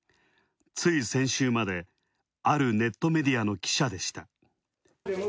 つい先週まで、あるネットメディアの記者でした。